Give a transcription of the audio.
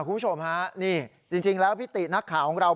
คุณผู้ชมฮะนี่จริงแล้วพี่ตินักข่าวของเรา